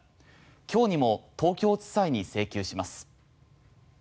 今日にも東京地裁に請求します。